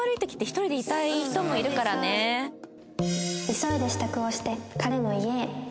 急いで支度をして彼の家へ